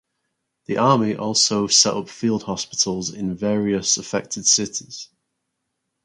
The Army also set up field hospitals in various affected cities.